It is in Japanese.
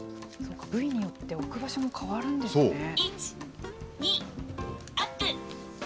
そうか、部位によって置く場所も変わるんですね。